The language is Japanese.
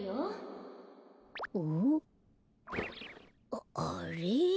あっあれ？